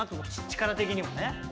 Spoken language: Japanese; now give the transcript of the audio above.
力的にもね。